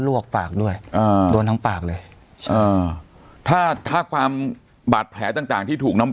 ลวกปากด้วยโดนทั้งปากเลยถ้าความบาดแผลต่างที่ถูกน้ำ